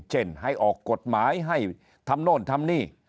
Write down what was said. เช่นให้ออกกฎหมายให้ทำโน่นทำนี่